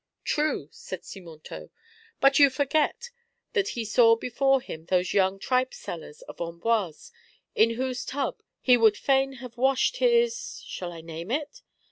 "True," said Simontault; "but you forget that he saw before him those young tripe sellers of Amboise in whose tub he would fain have washed his shall I name it